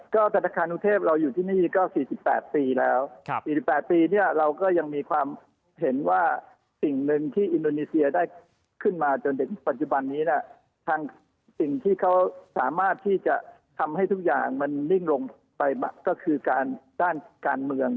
ก็ธนาคารกรุงเทพเราอยู่ที่นี่ก็๔๘ปีแล้ว๔๘ปีเนี่ยเราก็ยังมีความเห็นว่าสิ่งหนึ่งที่อินโดนีเซียได้ขึ้นมาจนถึงปัจจุบันนี้ทางสิ่งที่เขาสามารถที่จะทำให้ทุกอย่างมันนิ่งลงไปก็คือการด้านการเมือง